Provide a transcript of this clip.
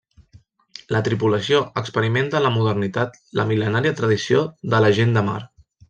La tripulació experimenta en la modernitat la mil·lenària tradició de la gent de mar.